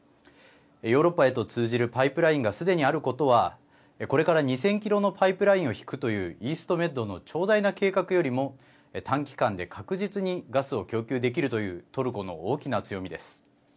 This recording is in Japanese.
ヨーロッパへと通じるパイプラインがすでにあることはこれから２０００キロのパイプラインを引くというイーストメッドの長大な計画よりも短期間で確実にガスを供給できるというトルコの大きな強みです。